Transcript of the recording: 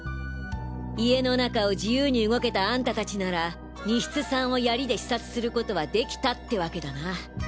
家の中を自由に動けたあんたたちなら西津さんを槍で刺殺する事は出来たってわけだな！